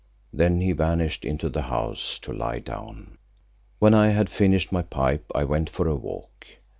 Then he vanished into the house to lie down. When I had finished my pipe I went for a walk.